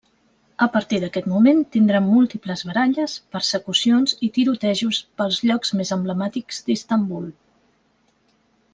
A partir d'aquest moment tindran múltiples baralles, persecucions i tirotejos pels llocs més emblemàtics d'Istanbul.